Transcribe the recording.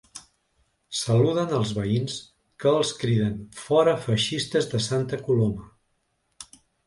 Saluden als veïns que els criden “fora feixistes de Santa Coloma”.